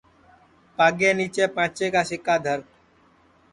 پاگے نیچے پانٚچے کا سِکا دھر